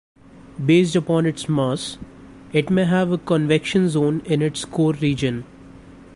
Based upon its mass, it may have a convection zone in its core region.